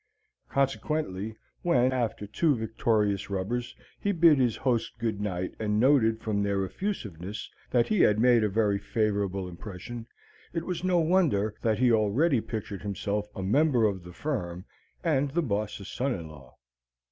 Consequently, when, after two victorious rubbers, he bid his hosts good night and noted from their effusiveness that he had made a very favorable impression, it was no wonder that he already pictured himself a member of the firm and the boss's son in law.